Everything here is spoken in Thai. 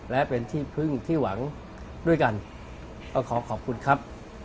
และเป็นที่พึ่งที่หวังด้วยกันก็ขอขอบคุณครับ